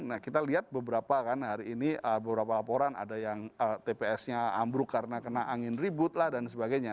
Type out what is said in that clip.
nah kita lihat beberapa kan hari ini beberapa laporan ada yang tps nya ambruk karena kena angin ribut lah dan sebagainya